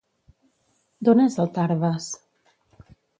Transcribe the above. D'on és el Tarbes?